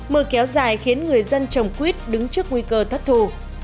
mưa kéo dài khiến người dân trồng quýt đứng trước nguy cơ thất thù